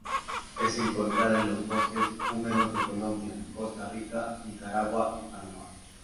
Es encontrada en los bosques húmedos de Colombia, Costa Rica, Nicaragua, y Panamá.